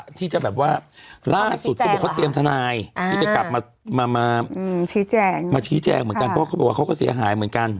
อื้อที่จะแบบว่าล่าสุดเขาเตรียมสนายที่จะกลับมาชี้แจงเพราะเขาก็เสียหายเมือนกัน